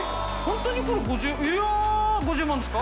本当にこれ５０万ですか？